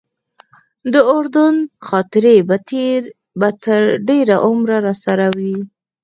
د اردن خاطرې به تر ډېره عمره راسره وي.